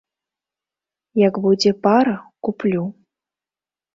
Як будзе пара, куплю.